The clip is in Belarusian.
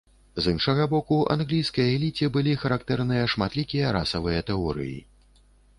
З іншага боку, англійскай эліце былі характэрныя шматлікія расавыя тэорыі.